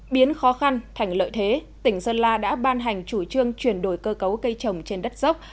biến khó khăn thành lợi thế tỉnh sơn la đã ban hành chủ trương chuyển đổi cơ cấu cây trồng trên đất dốc